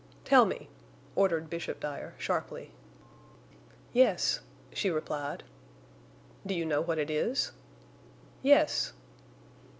"Tell me," ordered Bishop Dyer, sharply. "Yes," she replied. "Do you know what it is?" "Yes."